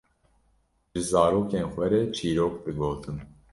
ji zarokên xwe re çîrok digotin.